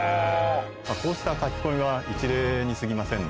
こうした書き込みは一例にすぎません